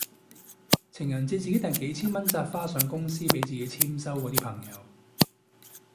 情人節自己訂幾千蚊紮花上公司俾自己簽收嗰啲朋友